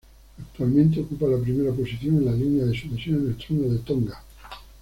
Actualmente ocupa la primera posición en la línea de sucesión al trono de Tonga.